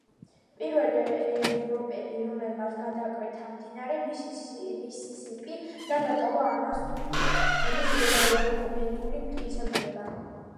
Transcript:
პირველი ევროპელი, რომელმაც გადაკვეთა მდინარე მისისიპი და დატოვა ამის დოკუმენტური მტკიცებულება.